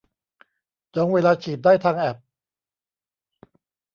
จองเวลาฉีดได้ทางแอป